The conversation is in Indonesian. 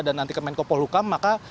dan nanti ke menkopoh hukam maka